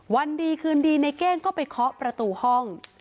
วันดีคืนดีในเก้งก็ไปเคาะประตูห้อง